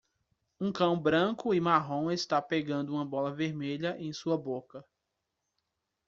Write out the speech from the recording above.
Um cão branco e marrom está pegando uma bola vermelha em sua boca